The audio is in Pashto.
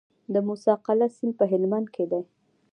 د موسی قلعه سیند په هلمند کې دی